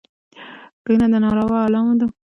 کینه د ناروا اعمالو او جنګ سبب ګرځي.